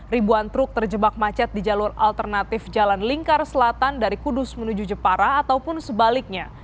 ribuan truk terjebak macet di jalur alternatif jalan lingkar selatan dari kudus menuju jepara ataupun sebaliknya